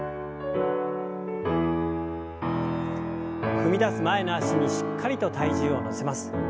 踏み出す前の脚にしっかりと体重を乗せます。